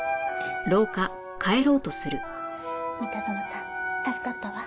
三田園さん助かったわ。